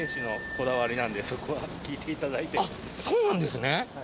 あっそうなんですね。